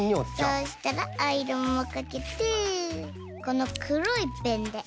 そうしたらアイロンもかけてこのくろいペンでんっ！